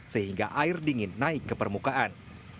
sehingga air dingin naik ke permukaan